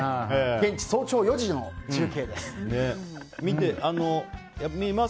現地早朝４時の中継です。